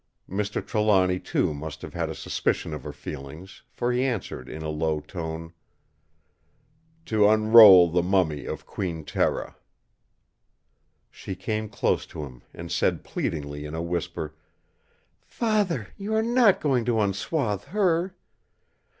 Mr. Trelawny too must have had a suspicion of her feelings, for he answered in a low tone: "To unroll the mummy of Queen Tera!" She came close to him and said pleadingly in a whisper: "Father, you are not going to unswathe her!